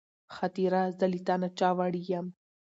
خاطره زه له تا نه چا وړې يم